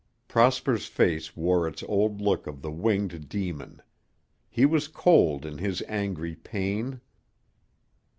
Prosper's face wore its old look of the winged demon. He was cold in his angry pain.